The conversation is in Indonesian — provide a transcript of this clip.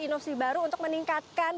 inovasi baru untuk meningkatkan